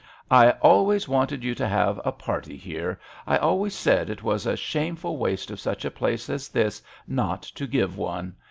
I always wanted you to have a party here; I always said it was a shameful waste of such a place as this not to give one.